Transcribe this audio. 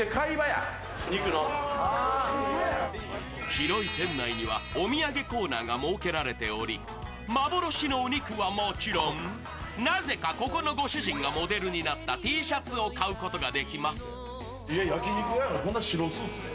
広い店内にはお土産コーナーが設けられており幻のお肉はもちろん、なぜかここのご主人がモデルになったＴシャツを買うことができます。